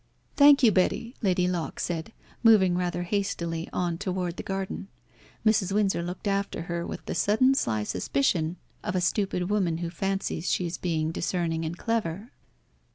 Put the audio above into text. "Thank you, Betty," Lady Locke said, moving rather hastily on toward the garden. Mrs. Windsor looked after her with the sudden sly suspicion of a stupid woman who fancies she is being discerning and clever.